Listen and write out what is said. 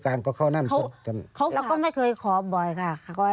แล้วก็ไม่เคยขอบ่อยค่ะ